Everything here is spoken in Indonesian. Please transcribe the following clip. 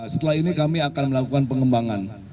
setelah ini kami akan melakukan pengembangan